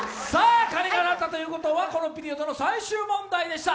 鐘が鳴ったということはこのピリオドの最終問題でした。